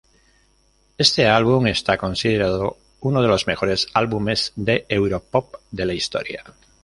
Este álbum está considerado uno de los mejores álbumes de europop de la historia.